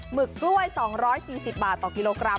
ึกกล้วย๒๔๐บาทต่อกิโลกรัม